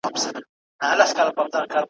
په کالیو کي یې پټ ول اندامونه ,